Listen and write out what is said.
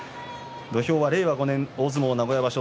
土俵は令和５年名古屋場所